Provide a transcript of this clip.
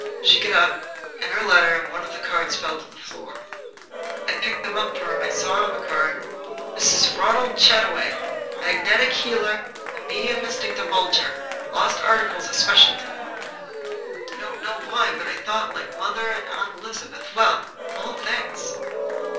She got up, and her letter and one of the cards fell to the floor. I picked them up for her, and I saw on the card: Mrs. Ronald Chataway Magnetic Healer and Mediumistic Divulger Lost Articles a Specialty I don't know why, but I thought, like mother and Aunt Elizabeth, "Well, of all things!"